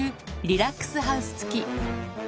リラックスハウス付き。